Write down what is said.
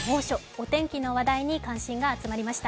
お天気の話題に関心が集まりました。